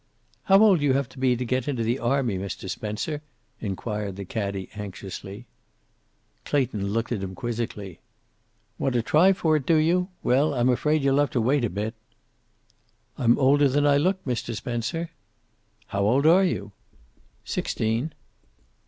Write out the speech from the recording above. "How old d'you have to be to get into the army, Mr. Spencer?" inquired the caddie, anxiously. Clayton looked at him quizzically. "Want to try for it, do you? Well, I'm afraid you'll have to wait a bit." "I'm older than I look, Mr. Spencer." "How old are you?" "Sixteen."